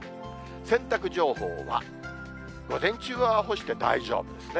洗濯情報は、午前中は干して大丈夫ですね。